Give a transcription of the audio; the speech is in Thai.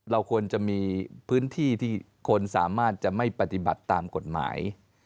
เราควรจะมีพื้นที่ที่คนสามารถจะไม่ปฏิบัติตามกฎหมาย